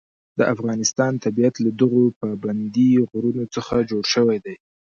د افغانستان طبیعت له دغو پابندي غرونو څخه جوړ شوی دی.